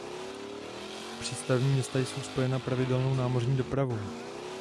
Přístavní města jsou spojena pravidelnou námořní dopravou.